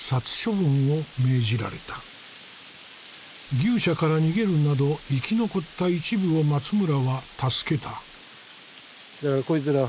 牛舎から逃げるなど生き残った一部を松村は助けた。